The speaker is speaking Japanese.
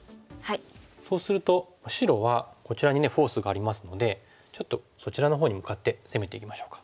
そうすると白はこちらにねフォースがありますのでちょっとそちらのほうに向かって攻めていきましょうか。